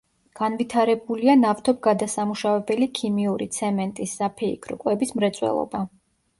განვითარებულია ნავთობგადასამუშავებელი, ქიმიური, ცემენტის, საფეიქრო, კვების მრეწველობა.